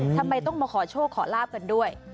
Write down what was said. ทำไมต้องมาขอโชคขอลาบกันด้วย